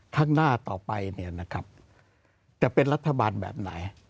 ข้างหน้าต่อไปเนี่ยนะครับจะเป็นรัฐบาลแบบไหน